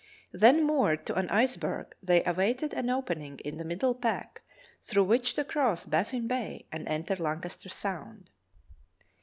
Then moored to an iceberg, they awaited an opening in the middle pack through which to cross Baffin Bay and enter Lancaster Sound.